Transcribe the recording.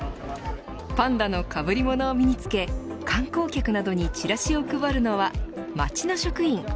パンダのかぶり物を身に着け観光客などにチラシを配るのは町の職員。